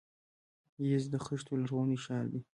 یزد د خښتو لرغونی ښار دی.